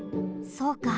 そうか。